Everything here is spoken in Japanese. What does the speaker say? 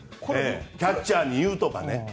キャッチャーに言うとかね。